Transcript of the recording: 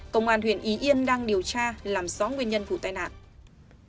công an huyện ý yên đang điều tra làm rõ nguyên nhân vụ tai nạn